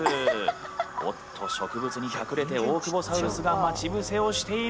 おっと植物に隠れてオオクボサウルスが待ち伏せをしている。